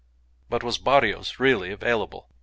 But was Barrios really available?